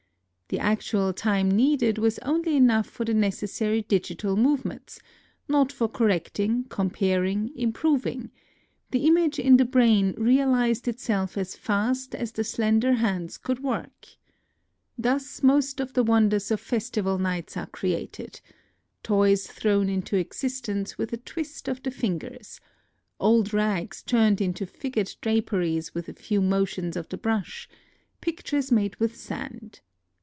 The actual time needed was only enough for the necessary digital move ments, — not for correcting, comparing, im proving : the image in the brain realized itself as fast as the slender hands could work. Thus most of the wonders of festival nights are created : toys thrown into existence 64 NOTES OF A TRIP TO KYOTO with a twist of the fingers, old rags turned into figured draperies with a few motions of the brush, pictures made with sand.